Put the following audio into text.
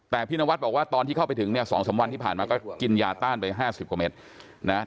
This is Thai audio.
แต่พี่นวัดบอกว่าตอนที่เข้าไปถึงเนี่ย๒๓วันที่ผ่านมาก็กินยาต้านไป๕๐กว่าเมตรนะ